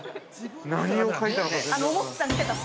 何を描いたのか。